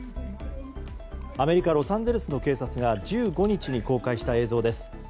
アメリカ・ロサンゼルスの警察が１５日に公開した映像です。